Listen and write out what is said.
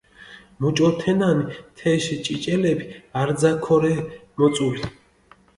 მუჭო თენან თეში ჭიჭელეფი არძა ქორე მოწული.